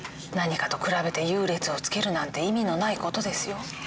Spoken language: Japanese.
何かと比べて優劣をつけるなんて意味のない事ですよ。